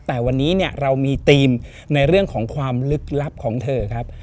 แต่วันนี้เนี่ยเรามีธีมในเรื่องของความลึกลับของเธอครับ